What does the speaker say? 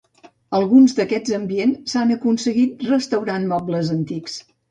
Alguns d'aquests ambients s'han aconseguit restaurant mobles antics.